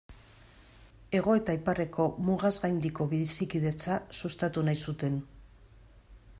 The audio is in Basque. Hego eta Iparreko mugaz gaindiko bizikidetza sustatu nahi zuten.